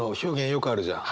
よくあるじゃん。